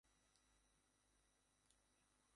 ঘটনার পর থেকে শাহীন ও জিয়াসমিন পলাতক।